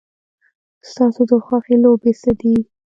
ستا د خوښې لوبې څه دي؟